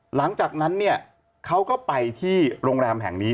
หลังจากนั้นเนี่ยเขาก็ไปที่โรงแรมแห่งนี้